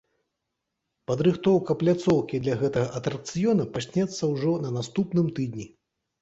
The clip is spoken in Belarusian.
Падрыхтоўка пляцоўкі для гэтага атракцыёна пачнецца ўжо на наступным тыдні.